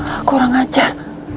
aku orang ajar